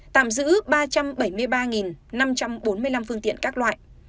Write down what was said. tạm giữ ba trăm bảy mươi ba năm trăm bốn mươi năm phương tiện các loại